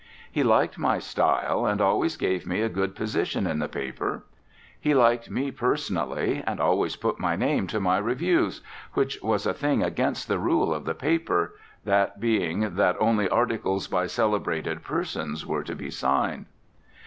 He liked my style, and always gave me a good position in the paper. He liked me personally, and always put my name to my reviews; which was a thing against the rule of the paper that being that only articles by celebrated persons were to be signed.